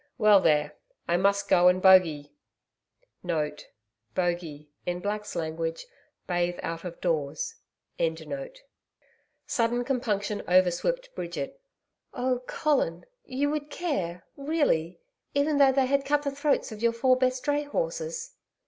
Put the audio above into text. Well, there! I must go and bogey*.' [*Bogey in Black's language, 'bathe out of doors'] Sudden compunction overswept Bridget. 'Oh, Colin! You would care... really... even though they had cut the throats of your four best dray horses?'